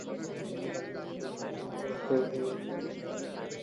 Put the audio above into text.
রামায়ণ থেকে শকুন্তলাকে নিয়ে একেবারে নিজস্ব ভাষায় তিনি একটি নাটক লিখলেন।